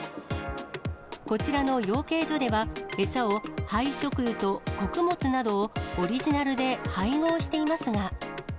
こちらの養鶏所では、餌を廃食油と穀物などを、オリジナルで配合していますが。